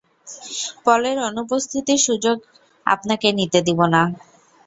পলের অনুপস্থিতির সুযোগ আপনাকে নিতে দেবো না।